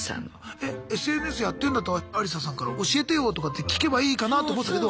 えＳＮＳやってんだったらアリサさんから教えてよとかって聞けばいいかなと思ったけど。